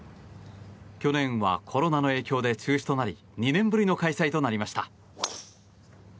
去年はコロナの影響で中止となり２年ぶりの開催となりました。